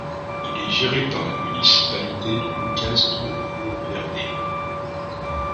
Il est géré par la municipalité de Lucas do Rio Verde.